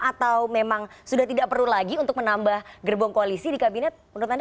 atau memang sudah tidak perlu lagi untuk menambah gerbong koalisi di kabinet menurut anda